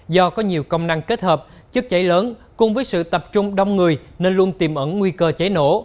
do có nhiều công năng kết hợp chất cháy lớn cùng với sự tập trung đông người nên luôn tiềm ẩn nguy cơ cháy nổ